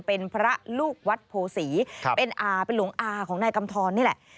เป็นพระลูกวัดโพศีเป็นอาเป็นหลวงอาของนายกำทรนี่แหละ